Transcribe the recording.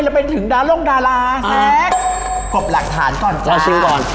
เราเป็นถึงดาร่องดาราอ่าแล้วกบหลักฐานก่อนจ้ะเราชิมก่อน